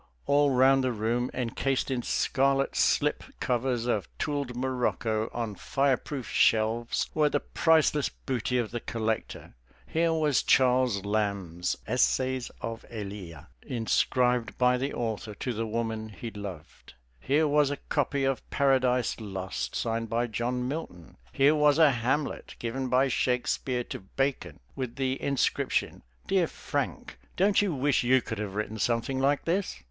All round the room, encased in scarlet slip covers of tooled morocco, on fireproof shelves, were the priceless booty of the collector. Here was Charles Lamb's "Essays of Elia," inscribed by the author to the woman he loved. Here was a copy of "Paradise Lost," signed by John Milton. Here was a "Hamlet" given by Shakespeare to Bacon with the inscription, "Dear Frank, don't you wish you could have written something like this?"